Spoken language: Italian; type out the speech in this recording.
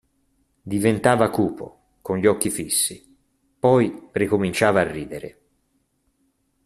Diventava cupo, con gli occhi fissi, poi ricominciava a ridere.